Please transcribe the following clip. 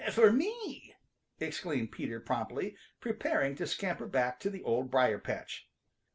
"For me!" exclaimed Peter promptly, preparing to scamper back to the Old Briar patch.